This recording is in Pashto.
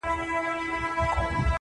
ډېر ښکلي کلمات یې اوډلي او زه پوهېږم -